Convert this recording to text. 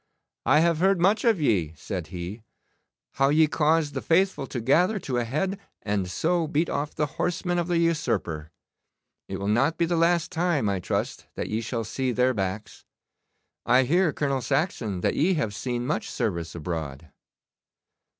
'I have heard much of ye,' said he; 'how ye caused the faithful to gather to a head, and so beat off the horsemen of the usurper. It will not be the last time, I trust, that ye shall see their backs. I hear, Colonel Saxon, that ye have seen much service abroad.